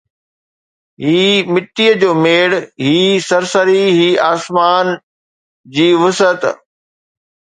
هي مٽيءَ جو ميڙ، هي سرسري، هي آسمان جي وسعت